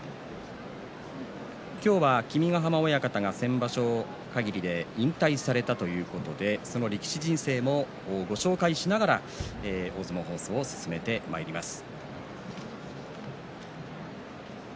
今日は君ヶ濱親方が先場所かぎりで引退されたということでその力士人生をご紹介しながら大相撲放送を進めてまいります。